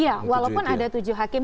iya walaupun ada tujuh hakim